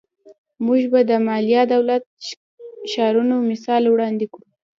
موږ به د مایا دولت ښارونو مثال وړاندې کړو